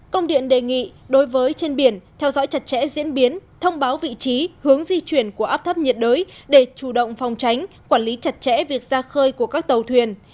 công điện đề nghị đối với trên biển theo dõi chặt chẽ diễn biến thông báo vị trí hướng di chuyển của áp thấp nhiệt đới để chủ động phòng tránh quản lý chặt chẽ việc ra khơi của các tàu thuyền